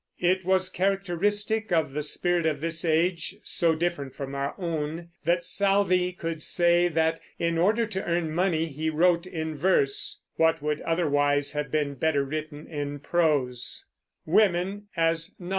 It was characteristic of the spirit of this age, so different from our own, that Southey could say that, in order to earn money, he wrote in verse "what would otherwise have been better written in prose."